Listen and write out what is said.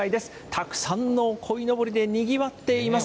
たくさんのこいのぼりでにぎわっています。